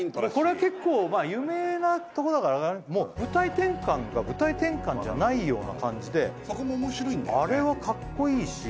これは結構有名なとこだからもう舞台転換が舞台転換じゃないような感じでそこも面白いんだよね